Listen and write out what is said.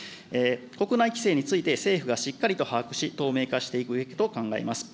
国内規制について、政府がしっかりと把握し、透明化していくべきと考えます。